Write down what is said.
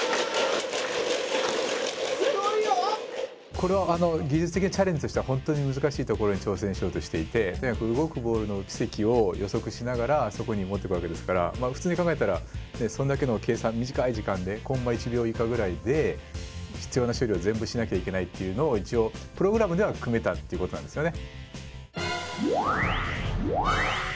これは技術的なチャレンジとしては本当に難しいところに挑戦しようとしていてとにかく動くボールの軌跡を予測しながらそこに持ってくわけですから普通に考えたらそんだけの計算短い時間でコンマ１秒以下ぐらいで必要な処理を全部しなきゃいけないっていうのを一応プログラムでは組めたっていうことなんですよね。